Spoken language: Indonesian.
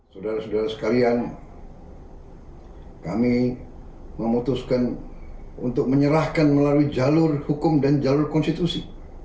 saudara saudara sekalian kami memutuskan untuk menyerahkan melalui jalur hukum dan jalur konstitusi